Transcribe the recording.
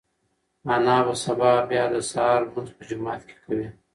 انا به سبا بیا د سهار لمونځ په جومات کې کوي.